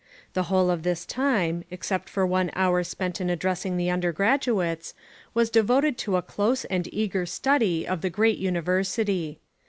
The whole of this time, except for one hour spent in addressing the undergraduates, was devoted to a close and eager study of the great university.